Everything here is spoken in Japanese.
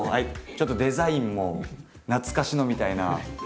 ちょっとデザインも懐かしのみたいな。